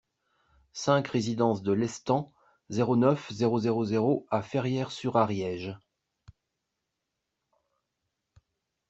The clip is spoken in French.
cinq résidence de Lestang, zéro neuf, zéro zéro zéro à Ferrières-sur-Ariège